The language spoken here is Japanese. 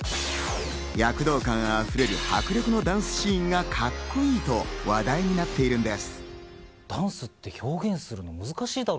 躍動感溢れる迫力のダンスシーンがカッコいいと話題になっているんです。